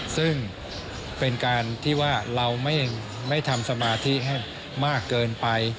ซึ่งเป็นการที่ว่าเราไม่ทำสมาธิให้มากเกินไป